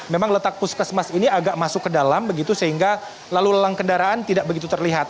memang letak puskesmas ini agak masuk ke dalam begitu sehingga lalu lelang kendaraan tidak begitu terlihat